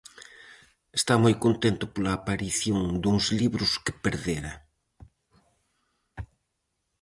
Está moi contento pola aparición duns libros que perdera.